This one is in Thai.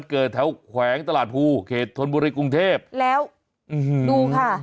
เกิดแถวแขวงตลาดภูเขตธนบุรีกรุงเทพแล้วอืมดูค่ะ